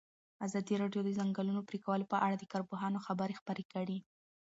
ازادي راډیو د د ځنګلونو پرېکول په اړه د کارپوهانو خبرې خپرې کړي.